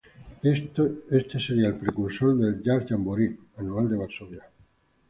Este sería el precursor del "Jazz Jamboree" anual de Varsovia.